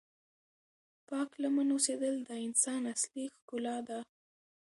پاک لمن اوسېدل د انسان اصلی ښکلا ده.